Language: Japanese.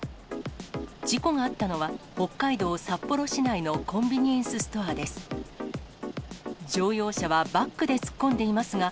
事故があったのは、北海道札幌市内のコンビニエンスストアです。